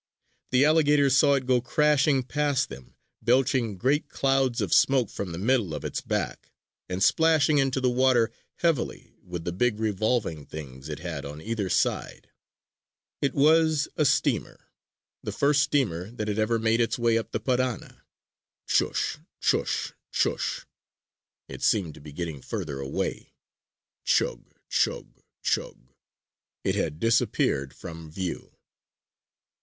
The alligators saw it go crashing past them, belching great clouds of smoke from the middle of its back, and splashing into the water heavily with the big revolving things it had on either side. It was a steamer, the first steamer that had ever made its way up the Parana. Chush! Chush! Chush! It seemed to be getting further away again. Chug! Chug! Chug! It had disappeared from view.